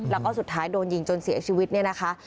แล้วก็สุดท้ายโดนยิงจนเสียชีวิตเนี่ยนะคะ